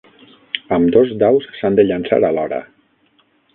Ambdós daus s'han de llançar alhora.